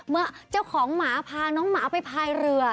เมื่อเจ้าของหมาพาน้องหมาไปพายเรือ